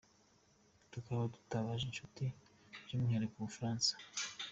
Tukaba dutabaje inshuti, by’umwihariko u Bufaransa”.